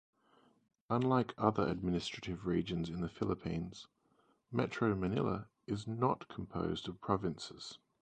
Unlike other administrative regions in the Philippines, Metro Manila is not composed of provinces.